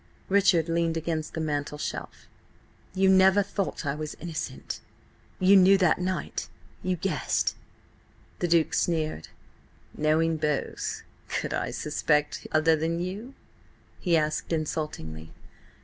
Richard leaned against the mantel shelf. "You never thought I was innocent? You knew that night? You guessed?" The Duke sneered. "Knowing both, could I suspect other than you?" he asked insultingly.